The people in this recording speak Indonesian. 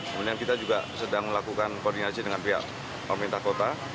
kemudian kita juga sedang melakukan koordinasi dengan pihak pemerintah kota